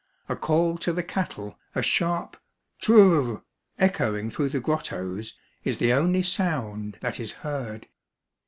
A call to the cattle, a sharp " t r r r " echoing through the grottos, is the only sound that is heard.